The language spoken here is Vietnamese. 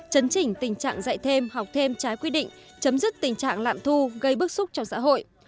chấn chỉnh tình trạng dạy thêm học thêm trái quy định chấm dứt tình trạng lạm thu gây bức xúc cho xã hội